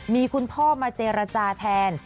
มีคุณพ่อมาเจรจาแทน